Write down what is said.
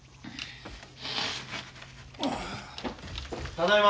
ただいま。